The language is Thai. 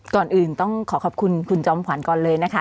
ก่อนอื่นต้องขอขอบคุณคุณจอมขวัญก่อนเลยนะคะ